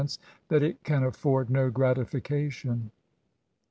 «6n8e^ that it can afford no gratification.